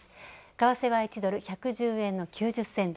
為替は１ドル＝１１０円の９０銭台。